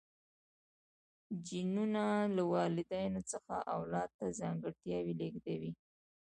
جینونه له والدینو څخه اولاد ته ځانګړتیاوې لیږدوي